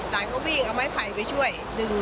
หลานเขาวิ่งเอาไม้ไผ่ไปช่วย